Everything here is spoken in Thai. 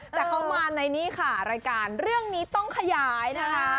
แต่เขามาในนี่ค่ะรายการเรื่องนี้ต้องขยายนะคะ